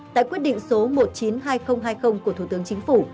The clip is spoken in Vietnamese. tại quyết định số một trăm chín mươi hai nghìn hai mươi của thủ tướng chính phủ